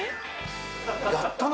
やったね。